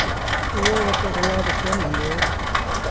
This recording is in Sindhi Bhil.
اُئي وٽ اولآد ڪونا هُݩدو۔